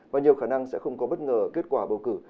và nhiều khả năng sẽ không có bất ngờ kết quả bầu cử